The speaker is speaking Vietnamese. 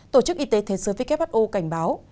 tổ chức y tế thế giới who cảnh báo